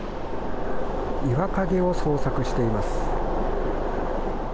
岩陰を捜索しています。